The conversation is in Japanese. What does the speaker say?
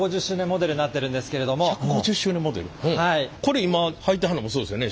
これ今履いてはんのもそうですよね？